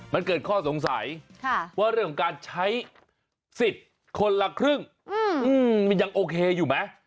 มันเกิดข้อสงสัยว่าเรื่องของการใช้สิทธิ์คนละครึ่งมันยังโอเคอยู่ไหม